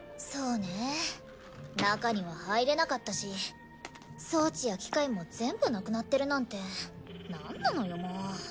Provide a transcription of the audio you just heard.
そうね中には入れなかったし装置や機械も全部なくなってるなんてなんなのよもう。